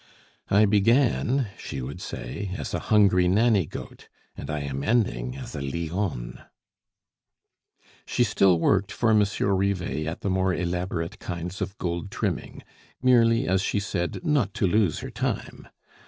"I began," she would say, "as a hungry nanny goat, and I am ending as a lionne." She still worked for Monsieur Rivet at the more elaborate kinds of gold trimming, merely, as she said, not to lose her time.